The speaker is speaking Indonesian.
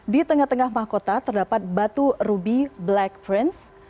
di tengah tengah mahkota terdapat batu ruby black prince